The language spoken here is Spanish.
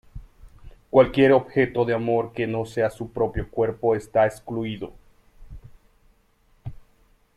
Cualquier objeto de amor que no sea su propio cuerpo está excluido.